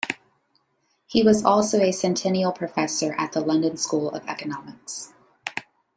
He was also a Centennial Professor at the London School of Economics.